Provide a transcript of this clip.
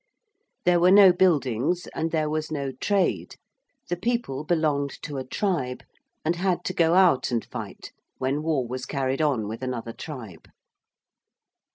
There were no buildings and there was no trade; the people belonged to a tribe and had to go out and fight when war was carried on with another tribe.